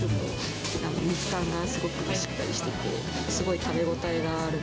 肉感がすごくしっかりしてて、すごい食べ応えがある。